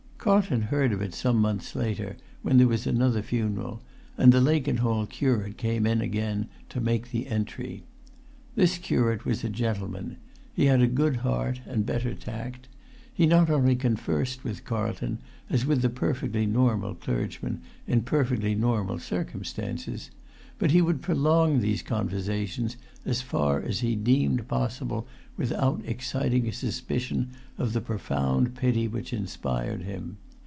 Carlton heard of it some months later, when there was another funeral, and the Lakenhall curate came in again to make the entry. This curate was a gentleman. He had a good heart and better tact. He not only conversed with Carlton as with the perfectly normal clergyman, in perfectly normal circumstances, but he would prolong these conversations as far as he deemed possible without exciting a suspicion of the profound pity which inspired him.